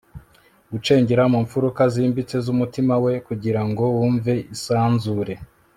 gucengera mu mfuruka zimbitse z'umutima we kugirango wumve isanzure